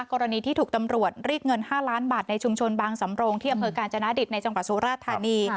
กรณีที่ถูกตำรวจเรียกเงิน๕ล้านบาทในชุมชนบางสำโรงที่อำเภอกาญจนาดิตในจังหวัดสุราธานี